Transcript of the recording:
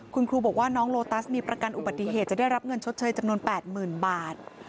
คุณครูบอกว่าน้องโลตัสมีประกันอุบัติเหตุจะได้รับเงินชดเชยจำนวน๘๐๐๐บาท